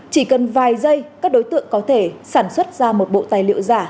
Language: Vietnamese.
chỉ cần vài giây các đối tượng có thể sản xuất ra một bộ tài liệu giả